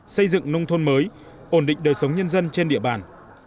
xây dựng nông thôn mới ổn định đời sống nhân dân trên địa bàn